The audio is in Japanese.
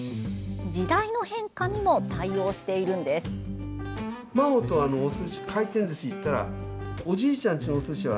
時代の変化にも対応しています。